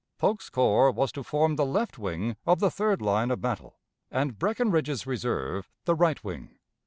Polk's corps was to form the left wing of the third line of battle; and Breckinridge's reserve the right wing.